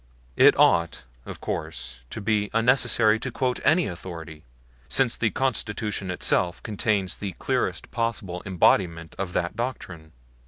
It ought, of course, to be unnecessary to quote any authority, since the Constitution itself contains the clearest possible embodiment of that doctrine.